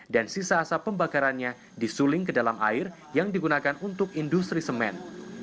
dan sisa asap pembakarannya disuling ke dalam air yang digunakan untuk industri semen